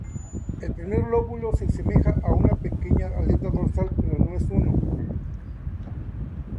El primer lóbulo se asemeja a una pequeña aleta dorsal, pero no es uno.